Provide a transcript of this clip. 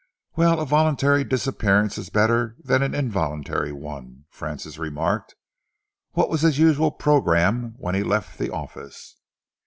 "Well, a voluntary disappearance is better than an involuntary one," Francis remarked. "What was his usual programme when he left the office?"